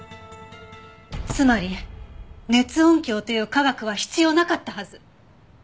つまり熱音響という科学は必要なかったはず。